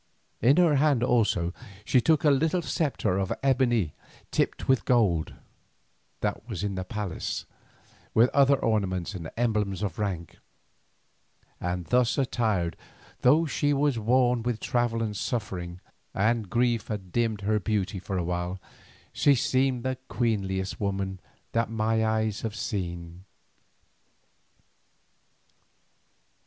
In her hand also she took a little sceptre of ebony tipped with gold, that was in the palace, with other ornaments and emblems of rank, and thus attired, though she was worn with travel and suffering, and grief had dimmed her beauty for a while, she seemed the queenliest woman that my eyes have seen.